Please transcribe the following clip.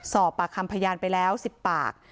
สอบปากคำพยานไปแล้ว๑๐ปาก